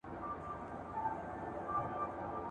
• پورته گورم پړانگ دئ، کښته گورم پاڼ دئ.